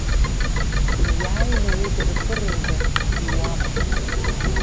Ииааины уи дырԥырыргар иуама!